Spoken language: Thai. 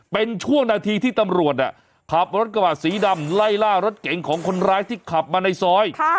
เป็นช่วงนาทีที่ตำรวจขับรถกระบะสีดำไล่ล่ารถเก๋งของคนร้ายที่ขับมาในซอย